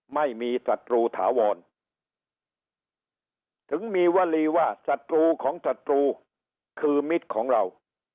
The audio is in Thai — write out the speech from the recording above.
ไม่มีศัตรูถาวรถึงมีวลีว่าศัตรูของศัตรูคือมิตรของเรา